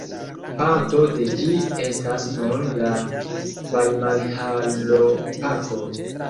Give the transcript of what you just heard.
Parto de ĝi estas nun la Vajmarhaloparko.